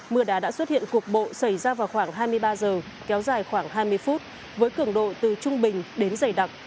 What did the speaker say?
mưa đá đã xuất hiện cục bộ xảy ra vào khoảng hai mươi ba h kéo dài khoảng hai mươi phút với cường độ từ trung bình đến dày đặc